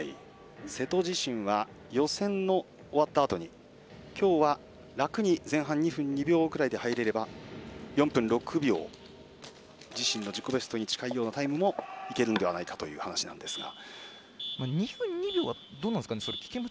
瀬戸自身は予選が終わったあとに今日は楽に前半２分２秒ぐらいで入れれば、４分６秒自身の自己ベストに近いタイムでいけるんではないかという話なんですが。